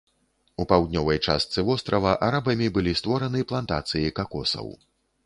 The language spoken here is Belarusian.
У паўднёвай частцы вострава арабамі былі створаны плантацыі какосаў.